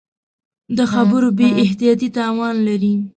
د خبرو بې احتیاطي تاوان لري